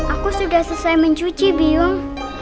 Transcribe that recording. aku sudah selesai mencuci biung